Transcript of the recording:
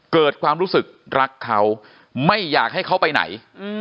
เกิดความรู้สึกรักเขาไม่อยากให้เขาไปไหน